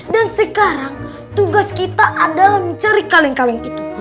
dan sekarang tugas kita adalah mencari kaleng kaleng itu